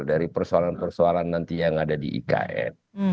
dari persoalan persoalan nanti yang ada di ikn